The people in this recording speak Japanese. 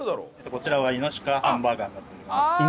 こちらはイノシカハンバーガーになっております。